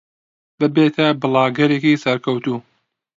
ببێتە بڵاگەرێکی سەرکەوتوو.